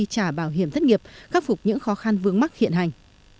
trả bảo hiểm thất nghiệp khắc phục những khó khăn vướng mắc hiện hành